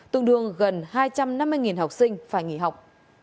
tương đương gần hai trăm năm mươi học sinh phải nghỉ học